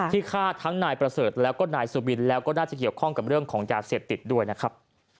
ฆ่าทั้งนายประเสริฐแล้วก็นายสุบินแล้วก็น่าจะเกี่ยวข้องกับเรื่องของยาเสพติดด้วยนะครับ